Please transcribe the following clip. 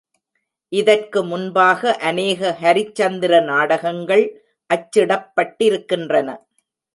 இதற்கு முன்பாக அநேக ஹரிச்சந்திர நாடகங்கள் அச்சிடப்பட்டிருக்கின்றன.